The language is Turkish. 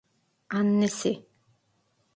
Annesi…